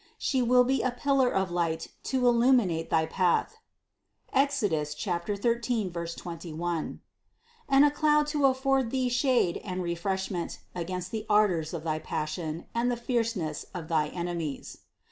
She will be a pillar of light to illuminate thy path (Exod. 13, 21) and a cloud to afford thee shade and refreshment against the ardors of thy passions and the fierceness of thy enemies."